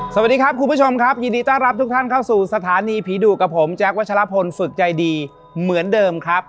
สวัสดีครับคุณผู้ชมครับยินดีต้อนรับทุกท่านเข้าสู่สถานีผีดุกับผมแจ๊ควัชลพลฝึกใจดีเหมือนเดิมครับ